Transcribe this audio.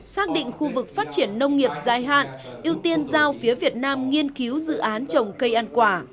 xác định khu vực phát triển nông nghiệp dài hạn ưu tiên giao phía việt nam nghiên cứu dự án trồng cây ăn quả